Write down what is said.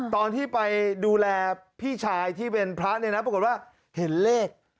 ตอนที่ไปดูแลพี่ชายที่เป็นพระเนี่ยนะปรากฏว่าเห็นเลข